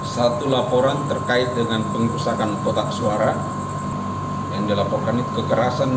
satu laporan terkait dengan pengrusakan kotak suara yang dilaporkan itu kekerasan